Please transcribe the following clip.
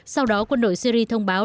sau đó quân đội syria thông báo